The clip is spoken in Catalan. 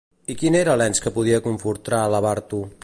I quin era l'ens que podia confrontar Labartu?